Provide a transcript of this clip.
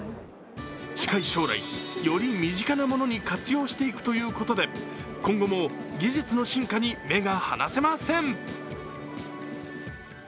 近い将来、より身近なものに活用していくということで今後も技術の進化に目が離せません。